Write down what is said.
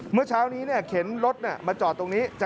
เมื่อเช้านี้เข็นรถมาจอดตรงนี้